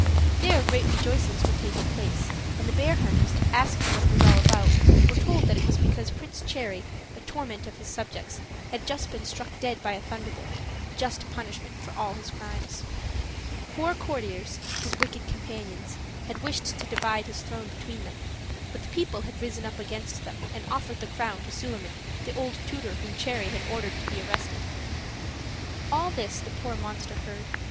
There great rejoicings were taking place, and the bear hunters, asking what it was all about, were told that it was because Prince Cherry, the torment of his subjects, had just been struck dead by a thunderbolt just punishment of all his crimes. Four courtiers, his wicked companions, had wished to divide his throne between them; but the people had risen up against them and offered the crown to Suliman, the old tutor whom Cherry had ordered to be arrested. All this the poor monster heard.